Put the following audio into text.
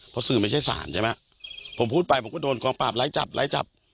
เพราะสื่อไม่ใช่ศาลใช่ไหมผมพูดไปผมก็โดนกองปราบไร้จับไร้จับ